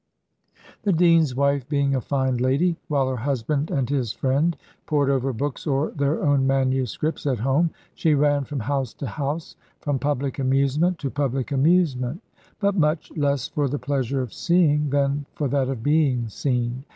The dean's wife being a fine lady while her husband and his friend pored over books or their own manuscripts at home, she ran from house to house, from public amusement to public amusement; but much less for the pleasure of seeing than for that of being seen.